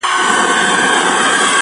د خپل ورور زړه یې څیرلی په خنجر دی-